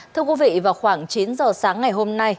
thưa quý vị vào khoảng chín giờ sáng ngày hôm nay